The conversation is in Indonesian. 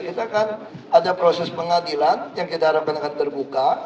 kita kan ada proses pengadilan yang kita harapkan akan terbuka